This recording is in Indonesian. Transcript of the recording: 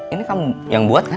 ini kamu yang buat kan